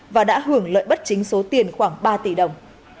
và đã hưởng lợi bất chính số tiền khoảng ba tỷ đồng